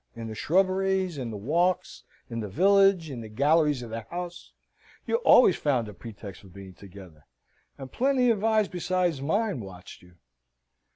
In the shrubberies, in the walks, in the village, in the galleries of the house, you always found a pretext for being together, and plenty of eyes besides mine watched you."